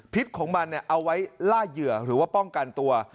ของมันเอาไว้ล่าเหยื่อหรือว่าป้องกันตัว